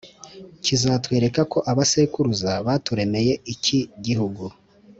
kizatwereka ko abasekuruza baturemeye ikigihugu,